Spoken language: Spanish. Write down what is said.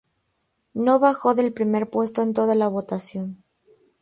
No bajó del primer puesto en toda la votación.